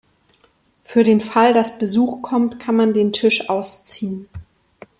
Für den Fall, dass Besuch kommt, kann man den Tisch ausziehen.